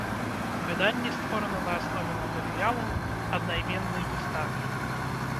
Выданне створана на аснове матэрыялаў аднайменнай выставы.